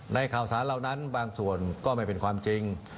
ข่าวสารเหล่านั้นบางส่วนก็ไม่เป็นความจริง